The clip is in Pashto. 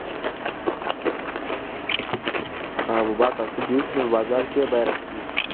که د حبوباتو حاصل ډېر شي نو په بازار کې یې بیه راټیټیږي.